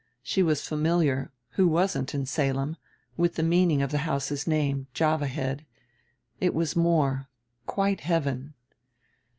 She was familiar who wasn't in Salem? with the meaning of the house's name, Java Head. It was more, quite heaven.